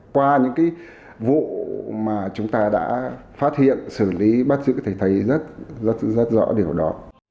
qua những vụ mà chúng ta đã phát hiện xử lý bắt giữ thì thấy rất rõ điều đó